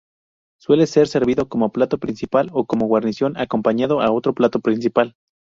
Suele ser servido como plato principal o como guarnición acompañando a otro plato principal.